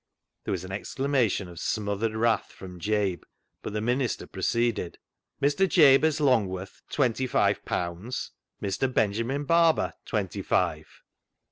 There was an exclamation of smothered wrath from Jabe, but the minister pro ceeded :—" Mr. Jabez Longworth, twenty five pounds. " Mr. Benjamin Barber, twenty five."